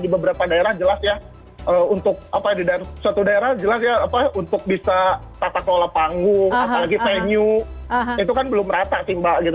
di beberapa daerah jelas ya untuk apa di suatu daerah jelas ya apa untuk bisa tata kelola panggung apalagi venue itu kan belum rata sih mbak gitu